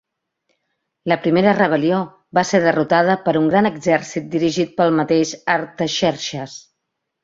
La primera rebel·lió va ser derrotada per un gran exèrcit dirigit pel mateix Artaxerxes.